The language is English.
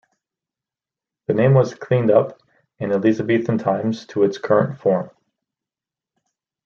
The name was "cleaned up" in Elizabethan times to its current form.